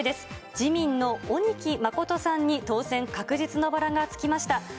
自民の鬼木誠さんに当選確実のバラがつきました。